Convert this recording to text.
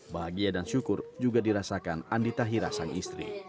bahagia dan syukur juga dirasakan andi tahira sang istri